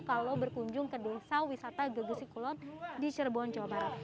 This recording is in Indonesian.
kalau berkunjung ke desa wisata gegesi kulon di cirebon jawa barat